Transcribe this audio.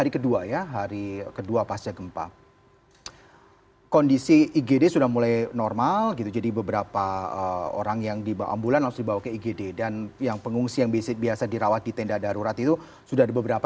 kepala perdana pengilang prasar